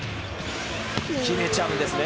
決めちゃうんですね。